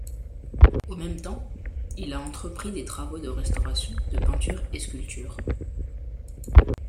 Au même temps, il a entrepris des travaux de restauration de peintures et sculptures.